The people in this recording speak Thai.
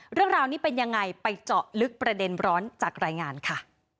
เรื่องราวนี้เป็นยังไงไปเจาะลึกประเด็นร้อนจากรายงานค่ะ